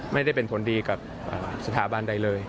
ไม่ได้เป็นผลดีกับสถาบันใดเลย